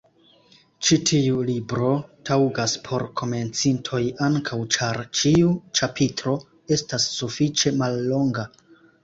Ĉi tiu libro taŭgas por komencintoj ankaŭ ĉar ĉiu ĉapitro estas sufiĉe mallonga.